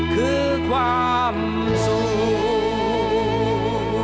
ก้าวลามลอยพ่อไป